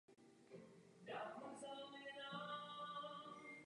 Jako hosté se na nahrávce podíleli například James Taylor a Van Morrison.